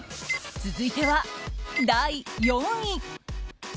続いては第４位。